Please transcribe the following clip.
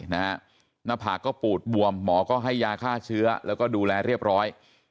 หน้าผากก็ปูดบวมหมอก็ให้ยาฆ่าเชื้อแล้วก็ดูแลเรียบร้อย